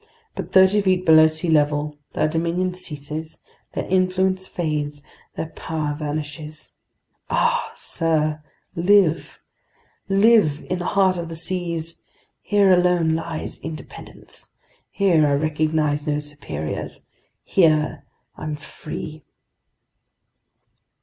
But thirty feet below sea level, their dominion ceases, their influence fades, their power vanishes! Ah, sir, live! Live in the heart of the seas! Here alone lies independence! Here I recognize no superiors! Here I'm free!"